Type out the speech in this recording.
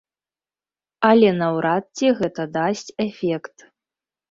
Але наўрад ці гэта дасць эфект.